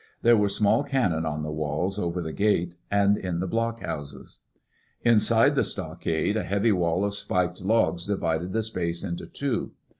There were small cannon on the walls, over the gate, and in the blockhouses. Inside the stockade, a heavy wall of spiked logs divided the space into two.